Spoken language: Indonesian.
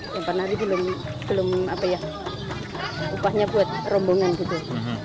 yang penari belum apa ya upahnya buat rombongan gitu